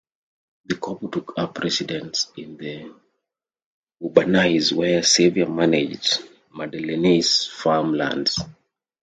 The couple took up residence in the Bourbonnais where Xavier managed Madeleine's farm lands.